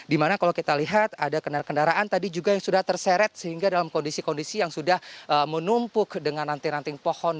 dimana kalau kita lihat ada kendaraan kendaraan tadi juga yang sudah terseret sehingga dalam kondisi kondisi yang sudah menumpuk dengan ranting ranting pohon